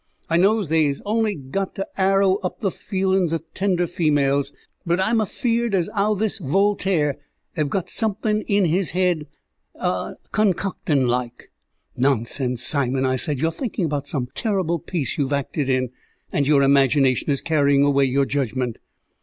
I knows they're on'y got up to 'arrow up the feelin's o' tender females; but I'm afeared as 'ow this Voltaire 'ev got somethin' in his head, a concoctin' like." "Nonsense, Simon," I said. "You are thinking about some terrible piece you've acted in, and your imagination is carrying away your judgment."